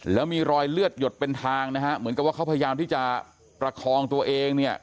แล้วมีรอยเลือดหยดเป็นทางนะฮะเหมือนกับว่าเขาพยายามที่จะประคองตัวเองเนี่ย